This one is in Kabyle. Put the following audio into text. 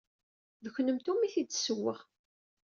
D kennemti umi t-id-ssewweɣ.